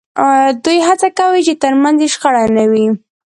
دوی هڅه کوي چې ترمنځ یې شخړه نه وي